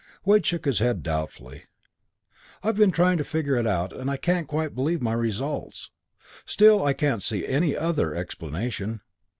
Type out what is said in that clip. Wade shook his head doubtfully. "I've been trying to figure it out, and I can't quite believe my results. Still, I can't see any other explanation.